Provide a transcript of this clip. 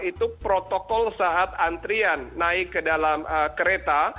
itu protokol saat antrian naik ke dalam kereta